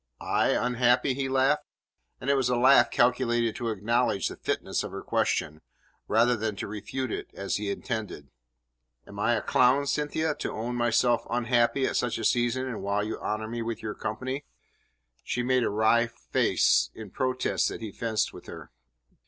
"I, unhappy?" he laughed; and it was a laugh calculated to acknowledge the fitness of her question, rather than to refute it as he intended. "Am I a clown, Cynthia, to own myself unhappy at such a season and while you honour me with your company?" She made a wry face in protest that he fenced with her.